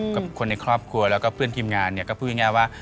กับคนในครอบครัวแล้วก็เพื่อนทีมงานเนี่ยก็พูดง่ายว่า